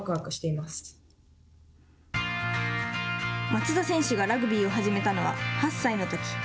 松田選手がラグビーを始めたのは８歳のとき。